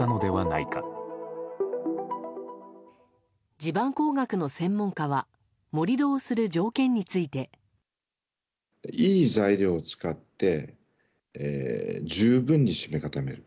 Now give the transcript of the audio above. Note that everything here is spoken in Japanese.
地盤工学の専門家は盛り土をする条件について。いい材料を使って十分に締め固める。